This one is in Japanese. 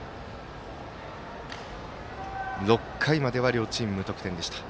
６回までは両チーム無得点でした。